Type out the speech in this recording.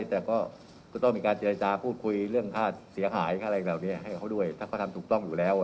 แต่ก็ต้องมีการเจรจาคุยเรื่องภาษาเสียหายให้เขาด้วยถ้าเขาทำถูกต้องอยู่แล้ว